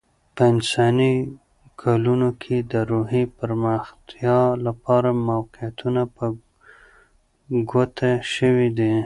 په انساني کلونه کې، د روحي پرمختیا لپاره موقعیتونه په ګوته شوي دي.